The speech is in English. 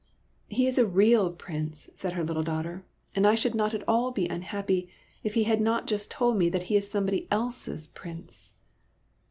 "He is a real Prince," said her little daughter ;" and I should not be at all unhappy if he had not just told me that he is somebody else's Prince